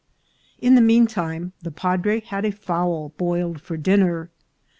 In the mean time the padre had a fowl boiled for din ner.